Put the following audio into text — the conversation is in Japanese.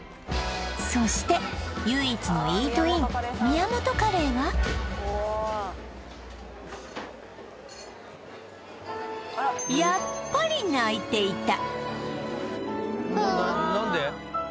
そして唯一のイートイン宮本カレーはやっぱり泣いていたあ何で？